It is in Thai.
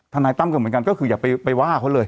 นายตั้มก็เหมือนกันก็คืออย่าไปว่าเขาเลย